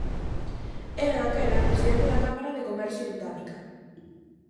Era, daquela, presidente da Cámara de Comercio británica.